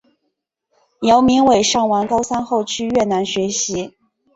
姚明伟上完高三后去越南学习。